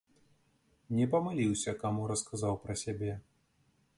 Не памыліўся, каму расказаў пра сябе.